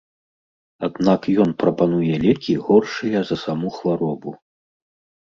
Аднак ён прапануе лекі, горшыя за саму хваробу.